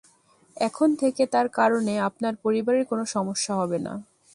এখন থেকে তার কারণে আপনার পরিবারের কোন সমস্যা হবে না।